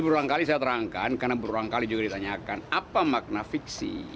berulang kali saya terangkan karena berulang kali juga ditanyakan apa makna fiksi